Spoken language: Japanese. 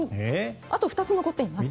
あと２つ残っています。